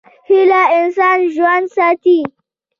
هیله انسان ژوندی ساتي.